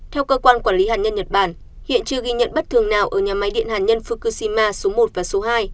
theo cơ quan quản lý hạt nhân nhật bản hiện chưa ghi nhận bất thường nào ở nhà máy điện hàn nhân fukushima số một và số hai